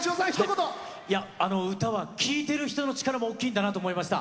歌は聴いてる人の力も大きいんだなと思いました。